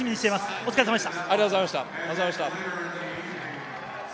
お疲れ様でした。